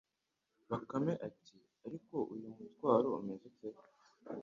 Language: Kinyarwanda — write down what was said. Bakame iti :« Ariko uyu mutwaro umeze ute